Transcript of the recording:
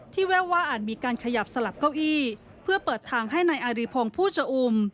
แววว่าอาจมีการขยับสลับเก้าอี้เพื่อเปิดทางให้นายอาริพงศ์ผู้ชะอุ่ม